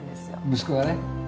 息子がね